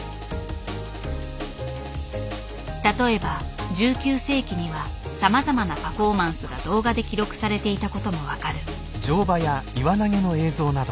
例えば１９世紀にはさまざまなパフォーマンスが動画で記録されていた事も分かる。